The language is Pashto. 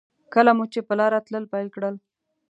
کله مو چې په لاره تلل پیل کړل.